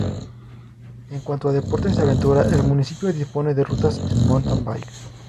En cuanto a deportes de aventura, el municipio dispone de rutas en Mountain-bike.